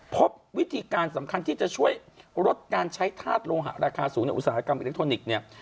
พบวิธีการสำคัญที่จะช่วยลดการใช้ธาตุโลหะราคาสูงในอุตสาหกรรมอิเล็กทรอนิกส์เนี่ย